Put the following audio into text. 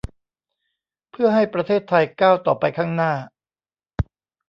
เพื่อให้ประเทศไทยก้าวต่อไปข้างหน้า